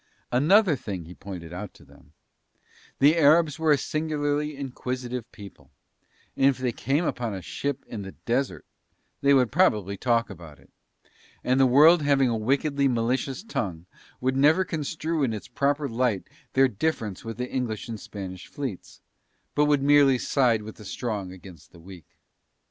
Another thing he pointed out to them, the Arabs were a singularly inquisitive people and if they came upon a ship in the desert they would probably talk about it; and the world having a wickedly malicious tongue would never construe in its proper light their difference with the English and Spanish fleets, but would merely side with the strong against the weak.